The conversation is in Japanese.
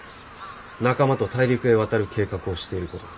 仲間と大陸へ渡る計画をしている事も。